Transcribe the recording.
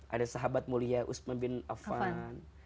ada sahabat mulia usman bin afan